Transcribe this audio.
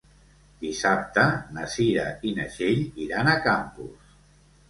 Dissabte na Cira i na Txell iran a Campos.